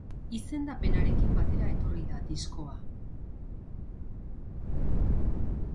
Izendapenarekin batera etorri da diskoa.